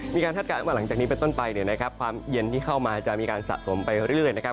คาดการณ์ว่าหลังจากนี้เป็นต้นไปเนี่ยนะครับความเย็นที่เข้ามาจะมีการสะสมไปเรื่อยนะครับ